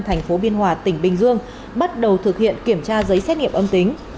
thành phố biên hòa tỉnh bình dương bắt đầu thực hiện kiểm tra giấy xét nghiệm âm tính